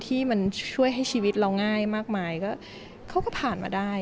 ที่มันช่วยให้ชีวิตเราง่ายมากมายก็เขาก็ผ่านมาได้